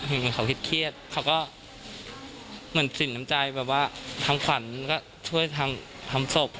เหมือนเขาคิดเครียดเขาก็เหมือนสินทำใจประวัติฝันก็ช่วยทำศพ